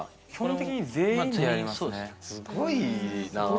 すごいな。